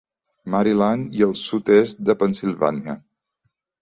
Maryland i el sud-est de Pennsilvània.